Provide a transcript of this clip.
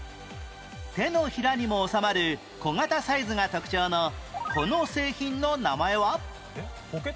手のひらにも収まる小型サイズが特徴のこの製品の名前は？